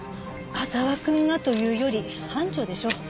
浅輪くんがというより班長でしょう。